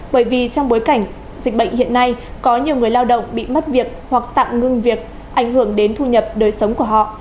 bởi vì trong bối cảnh dịch bệnh hiện nay có nhiều người lao động bị mất việc hoặc tạm ngưng việc ảnh hưởng đến thu nhập đời sống của họ